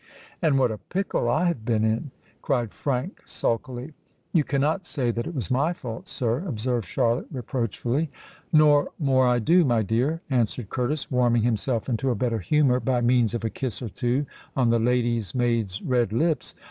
"And what a pickle I have been in!" cried Frank sulkily. "You cannot say that it was my fault, sir," observed Charlotte reproachfully. "Nor more I do, my dear," answered Curtis, warming himself into a better humour by means of a kiss or two on the lady's maid's red lips.